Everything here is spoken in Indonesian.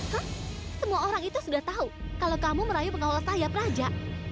hah semua orang itu sudah tahu kalau kamu merayu pengawal saya praja